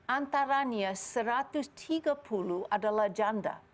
antaranya seratus tiga puluh adalah janda